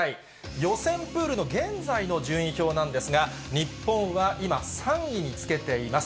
予選プールの現在の順位表なんですが、日本は今、３位につけています。